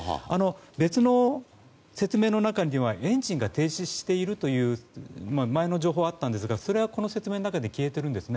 別の説明の中にはエンジンが停止しているという前の情報があったんですがそれは、この情報の中では消えているんです。